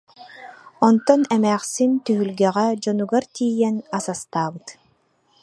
Онтон эмээхсин түһүлгэҕэ дьонугар тиийэн ас астаабыт